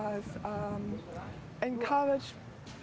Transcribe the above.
atau penceritakan indonesia